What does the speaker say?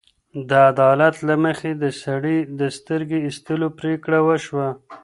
د عدالت له مخې د سړي د سترګې ایستلو پرېکړه وشوه.